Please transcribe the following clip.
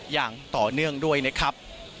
อย่างต่อเนื่องด้วยนะครับ